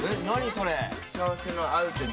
それ。